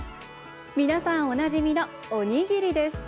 皆さん、おなじみのおにぎりです。